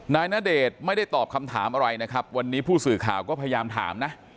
ณเดชน์ไม่ได้ตอบคำถามอะไรนะครับวันนี้ผู้สื่อข่าวก็พยายามถามนะ